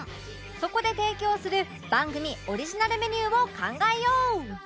そこで提供する番組オリジナルメニューを考えよう